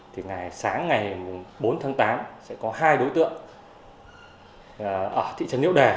thì ngày sáng ngày bốn tháng tám sẽ có hai đối tượng ở thị trấn niễu đè